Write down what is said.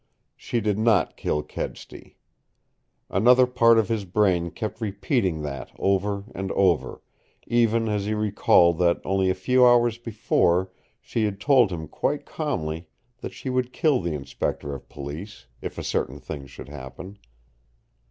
She did not kill Kedsty. Another part of his brain kept repeating that over and over, even as he recalled that only a few hours before she had told him quite calmly that she would kill the Inspector of Police if a certain thing should happen.